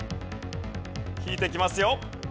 引いていきますよ。